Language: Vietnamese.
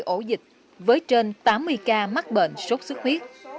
một mươi hai ổ dịch với trên tám mươi ca mắc bệnh sốt sốt huyết